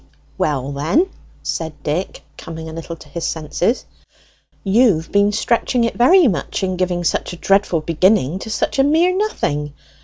"Well, then," said Dick, coming a little to his senses, "you've been stretching it very much in giving such a dreadful beginning to such a mere nothing.